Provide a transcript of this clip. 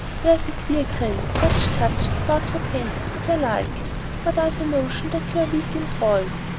There's a queer grim, Dutch touch about your painting that I like; but I've a notion that you're weak in drawing.